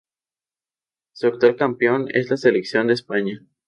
Su actual campeón es la selección de España.